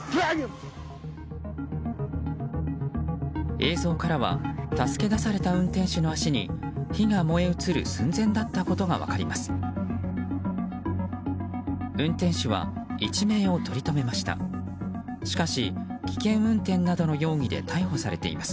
映像からは助け出された運転手の足に火が燃え移る寸前だったことが分かります。